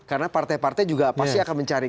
karena partai partai juga pasti akan mencari